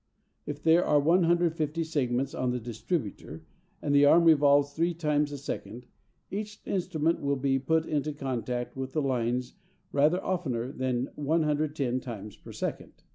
If there are 150 segments on the "distributor," and the arm revolves three times a second, each instrument will be put into contact with the line rather oftener than 110 times per second.